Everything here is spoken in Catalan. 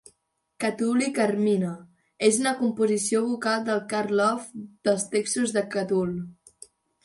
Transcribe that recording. "Catulli Carmina" és una composició vocal de Carl Orff dels textos de Catul.